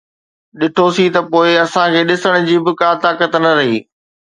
ڏٺوسين ته پوءِ اسان کي ڏسڻ جي به طاقت نه رهي